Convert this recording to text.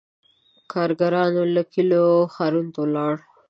• کارګرانو له کلیو ښارونو ته ولاړل.